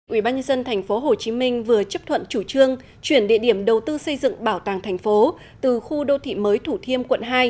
ubnd tp hcm vừa chấp thuận chủ trương chuyển địa điểm đầu tư xây dựng bảo tàng thành phố từ khu đô thị mới thủ thiêm quận hai